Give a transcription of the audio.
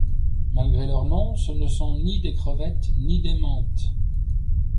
Malgré leur nom, ce ne sont ni des crevettes, ni des mantes.